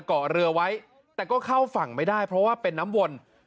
เกาะเรือไว้แต่ก็เข้าฝั่งไม่ได้เพราะว่าเป็นน้ำวน